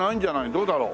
どうだろう？